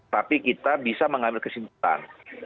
tapi kita bisa mengambil kesempatan